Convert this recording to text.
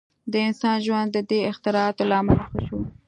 • د انسان ژوند د دې اختراعاتو له امله ښه شو.